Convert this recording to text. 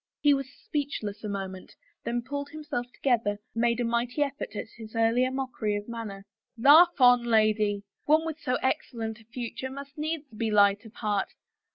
He was speechless a moment, then pulling himself to gether, made a mighty effort at his earlier mockery of manner. *' Laugh on, lady. ... One with so excellent a future must needs be light of heart.